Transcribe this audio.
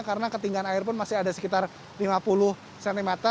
karena ketinggian air pun masih ada sekitar lima puluh cm